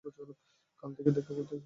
কাল দেখা করতে আসব।